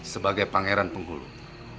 sebagai pangeran penghuluk